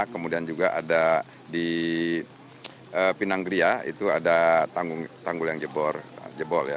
kemudian juga ada di pinanggeria itu ada tanggul yang jebol ya